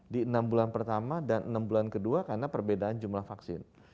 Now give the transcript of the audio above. di enam bulan pertama dan enam bulan kedua karena perbedaan jumlah vaksin